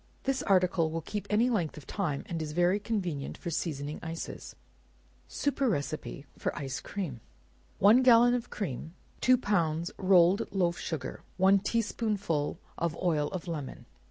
This article will keep any length of time, and is very convenient for seasoning ices. Superior Receipt for Ice Cream. One gallon of cream, two pounds rolled loaf sugar, one tea spoonful of oil of lemon.